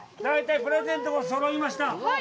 大体プレゼントがそろいました。